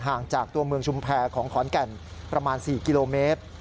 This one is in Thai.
ห่างจากตัวเมืองชุมแพรของขอนแก่นประมาณ๔กิโลเมตร